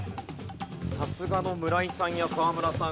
さすがの村井さんや河村さん